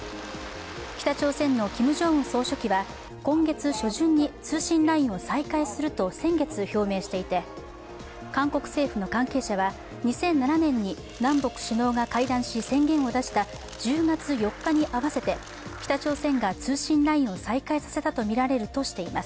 北朝鮮のキム・ジョンウン総書記は今月初旬に通信ラインを再開すると先月表明していて韓国政府の関係者は２００７年に南北首脳が会談し宣言を出した１０月４日に合わせて北朝鮮が再開させたとみられるとしています。